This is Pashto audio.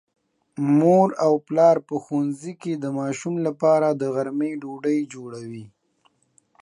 مور او پلار په ښوونځي کې د ماشوم لپاره د غرمې ډوډۍ جوړوي.